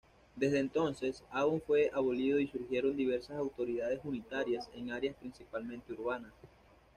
Desde entonces, Avon fue abolido y surgieron diversas autoridades unitarias en áreas principalmente urbanas.